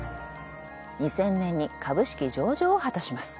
２０００年に株式上場を果たします。